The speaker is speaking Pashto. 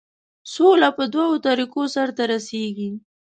سوله په دوو طریقو سرته رسیږي.